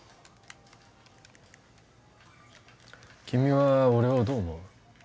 君は俺をどう思う？